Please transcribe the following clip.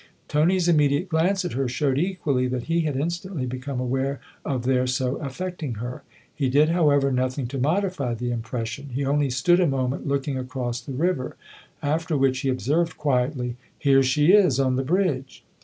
Tony's immediate glance at her showed equally that he had instantly become aware of their so affecting her. He did, however, nothing to modify the impression : he only stood a moment looking across the river; after which he observed quietly :" Here she is on the bridge."